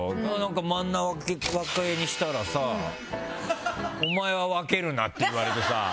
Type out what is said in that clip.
真ん中分けにしたらさお前は分けるなって言われてさ。